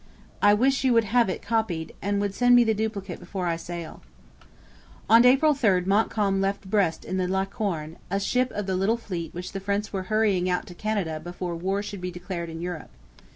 I wish you would have it copied, and would send me the duplicate before I sail.' On April 3 Montcalm left Brest in the Licorne, a ship of the little fleet which the French were hurrying out to Canada before war should be declared in Europe.